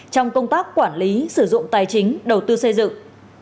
trong công tác quản lý sử dụng tài chính đầu tư xây dựng